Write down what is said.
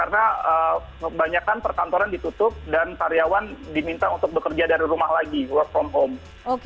karena kebanyakan perkantoran ditutup dan karyawan diminta untuk bekerja dari rumah lagi work from home